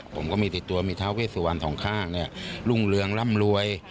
ผมก็มีติดตัวมีท้าเวสวรรณสองข้างรุ่งเรืองร่ำรวย